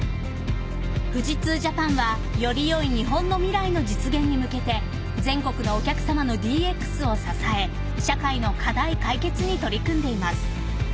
富士通Ｊａｐａｎはより良い日本の未来の実現に向けて全国のお客様のＤＸを支え社会の課題解決に取り組んでいます。